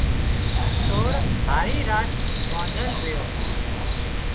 سور هارِي راچ ٻانڌل ريو